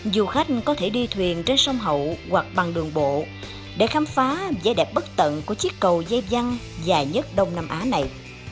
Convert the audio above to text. du khách có thể đi thuyền trên sông hậu hoặc bằng đường bộ để khám phá vẻ đẹp bất tận của chiếc cầu dây dăn dài nhất đông nam á này